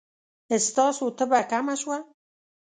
ستاسو تبه کمه شوه؟